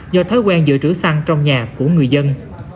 do thói quen dự trữ xăng trong nhà của người dân